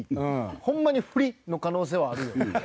ほんまにフリの可能性はあるよね。